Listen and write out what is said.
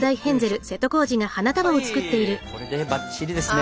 はいこれでバッチリですね！